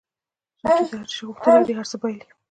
څوک چې د هر شي غوښتنه لري هر څه بایلي.